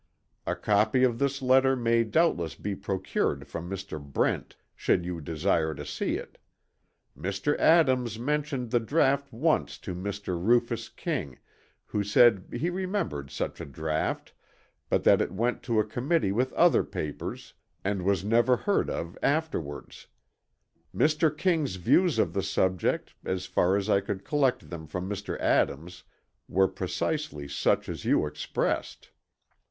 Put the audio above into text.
A copy of this letter may doubtless be procured from Mr. Brent, should you desire to see it. Mr. Adams mentioned the draught once to Mr. Rufus King, who said he remembered such a draught, but that it went to a committee with other papers, and was never heard of afterwards. Mr. King's views of the subject, as far as I could collect them from Mr. Adams, were precisely such as you expressed."